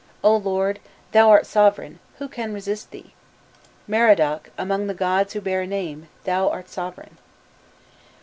O Lord, thou art sovereign, who can resist thee? Merodach, among the gods who bear a name, thou art sovereign."